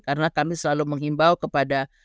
karena kami selalu mengimbau kepada